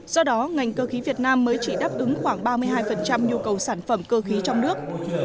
do đó ngành cơ khí việt nam mới chỉ đáp ứng khoảng ba mươi hai nhu cầu sản phẩm cơ khí trong nước